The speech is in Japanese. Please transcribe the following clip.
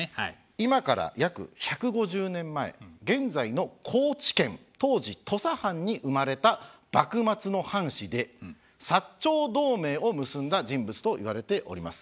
今から約１５０年前現在の高知県当時土佐藩に生まれた幕末の藩士で薩長同盟を結んだ人物といわれております。